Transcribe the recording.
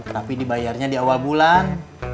tapi dibayarnya di awal bulan